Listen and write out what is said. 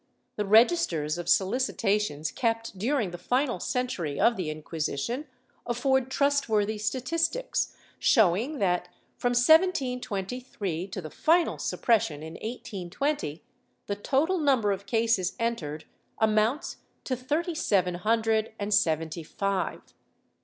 The registers of solicitations, kept during the final century of the Inquisition, afford trustworthy statistics showing that, from 1723 to the final suppression in 1820, the total number of cases entered amounts to thirty seven hundred and seventy five.